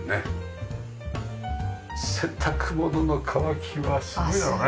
洗濯物の乾きはすごいだろうね。